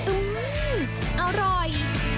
อืมอร่อย